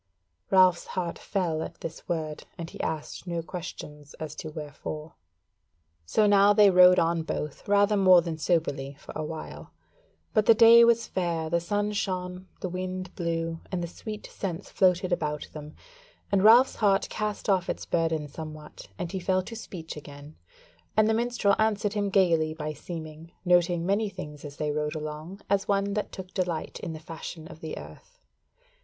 Ralph's heart fell at this word, and he asked no question as to wherefore. So now they rode on both, rather more than soberly for a while: but the day was fair; the sun shone, the wind blew, and the sweet scents floated about them, and Ralph's heart cast off its burden somewhat and he fell to speech again; and the minstrel answered him gaily by seeming, noting many things as they rode along, as one that took delight in the fashion of the earth.